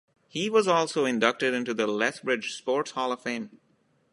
He was also inducted into the Lethbridge Sports Hall of Fame.